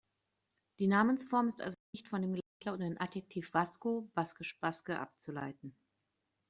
Die Namensform ist also nicht von dem gleichlautenden Adjektiv "vasco" „baskisch, Baske“ abzuleiten.